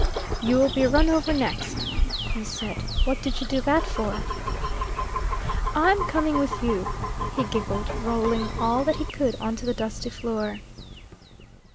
"You'll be run over next," he said. "What did you do that for?" "I'm coming with you," he giggled, rolling all that he could on to the dusty floor.